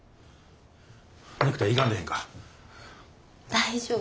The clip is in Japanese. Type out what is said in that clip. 大丈夫。